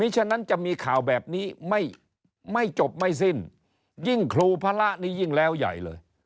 ฉะนั้นจะมีข่าวแบบนี้ไม่จบไม่สิ้นยิ่งครูพระนี่ยิ่งแล้วใหญ่เลย